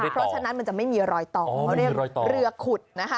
เพราะฉะนั้นมันจะไม่มีรอยต่อเพราะเรือขุด